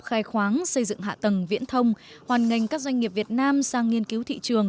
khai khoáng xây dựng hạ tầng viễn thông hoàn ngành các doanh nghiệp việt nam sang nghiên cứu thiết